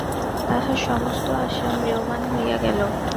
তাঁহার সমস্ত আশা ম্রিয়মাণ হইয়া গেল।